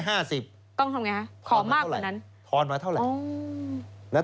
ต้องทำไงฮะขอมากกว่านั้น